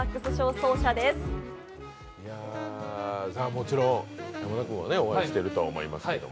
もちろん山田君はお会いしていると思いますけど。